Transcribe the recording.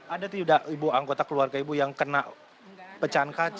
ada tidak ibu anggota keluarga ibu yang kena pecahan kaca